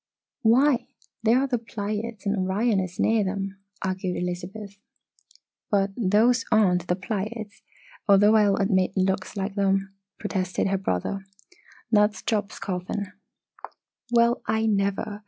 "Why there are the Pleiades and Orion is near them," argued Elizabeth. "But those aren't the Pleiades, although I'll admit it looks like them," protested her brother. "That's Job's Coffin." "Well, I never!